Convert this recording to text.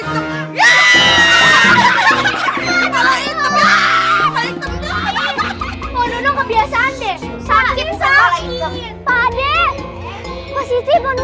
kepala itu ya hahaha kalau itu ya baik baik kebiasaan deh sakit sakit pade posisi penuh